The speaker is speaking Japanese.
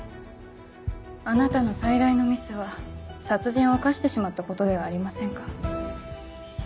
あなたの最大のミスは殺人を犯してしまったことではありませんか？